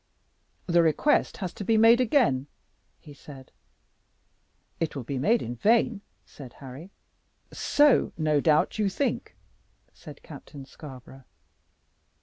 "The request has to be made again," he said. "It will be made in vain," said Harry. "So, no doubt, you think," said Captain Scarborough.